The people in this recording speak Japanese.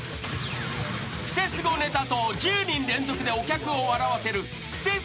［クセスゴネタと１０人連続でお客を笑わせるクセスゴ笑